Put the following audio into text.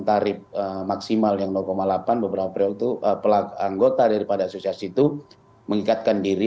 tarif maksimal yang delapan beberapa periode itu anggota daripada asosiasi itu mengikatkan diri